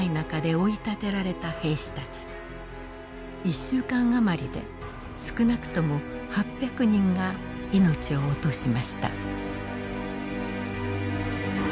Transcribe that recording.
一週間あまりで少なくとも８００人が命を落としました。